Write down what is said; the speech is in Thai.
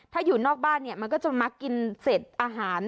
ถ้าอยู่นอกบ้านมันก็จะมากินเสร็จอาหาร